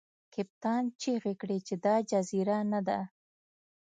کپتان چیغې کړې چې دا جزیره نه ده.